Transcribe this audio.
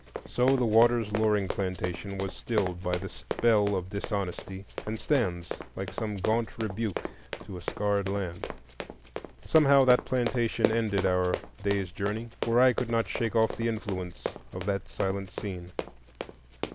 So the Waters Loring plantation was stilled by the spell of dishonesty, and stands like some gaunt rebuke to a scarred land. Somehow that plantation ended our day's journey; for I could not shake off the influence of that silent scene.